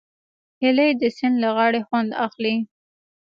هیلۍ د سیند له غاړې خوند اخلي